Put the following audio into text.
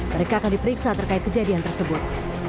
mereka akan diperiksa terkait kejadian tersebut